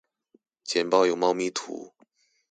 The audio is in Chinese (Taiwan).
簡報有貓咪圖